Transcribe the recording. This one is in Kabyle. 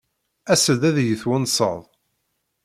As-d ad iyi-twennseḍ.